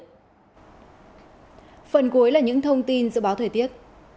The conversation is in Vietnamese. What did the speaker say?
phần cuối là những thông tin dự báo thời tiết